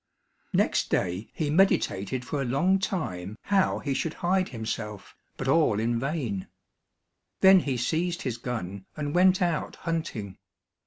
Next day he meditated for a long time how he should hide himself, but all in vain. Then he seized his gun and went out hunting.